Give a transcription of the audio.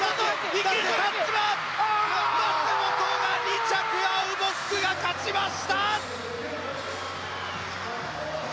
松元が２着アウボックが勝ちました！